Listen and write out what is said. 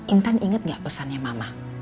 intan ingat gak pesannya mama